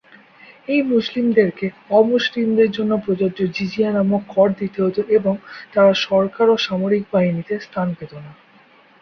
এই মুসলিমদেরকে অমুসলিমদের জন্য প্রযোজ্য জিজিয়া নামক কর দিতে হত এবং তারা সরকার ও সামরিক বাহিনীতে স্থান পেত না।